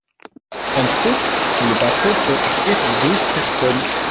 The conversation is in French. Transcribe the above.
En tout, le bateau peut accueillir douze personnes.